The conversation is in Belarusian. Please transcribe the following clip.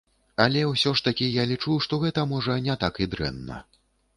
Але ўсё ж такі я лічу, што гэта можа не так і дрэнна.